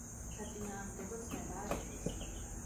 საწინააღმდეგო ცნებაა რეგრესი.